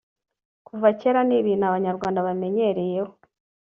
kuva kera ni ibintu abanyarwanda bamenyereyeho